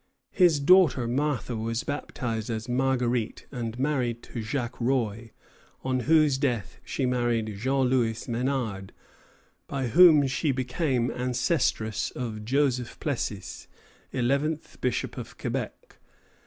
His daughter Martha was baptized as Marguerite, and married to Jacques Roy, on whose death she married Jean Louis Ménard, by whom she became ancestress of Joseph Plessis, eleventh bishop of Quebec.